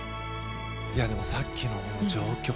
でも、さっきの状況。